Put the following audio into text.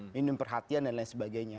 minum perhatian dan lain sebagainya